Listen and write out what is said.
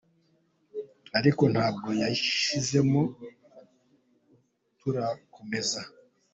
ariko ntabwo yashizemo turakomeza.